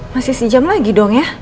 masih sejam lagi dong ya